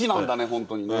本当にね。